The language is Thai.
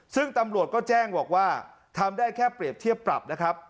ซึ่งตำรวจก็แจ้งบอกว่าทำได้แค่เปรียบเทียบปรับนะครับ